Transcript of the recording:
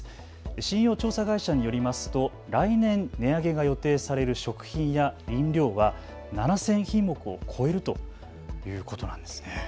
信用調査会社によりますと来年、値上げが予定される食品や飲料は７０００品目を超えるといういうことなんです。